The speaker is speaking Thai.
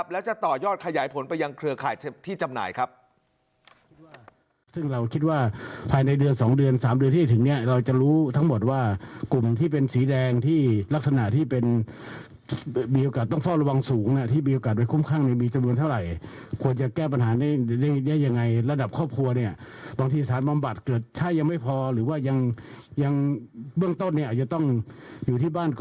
และจะต่อยอดขยายผลไปยังเครือข่ายที่จำหน่ายครับ